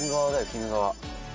鬼怒川。